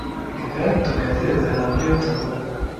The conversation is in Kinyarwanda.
reka tunezeze mubyo tuvuga